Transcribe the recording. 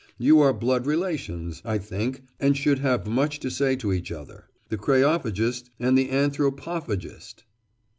You are blood relations, I think, and should have much to say to each other. The Kreophagist—the Anthropophagist.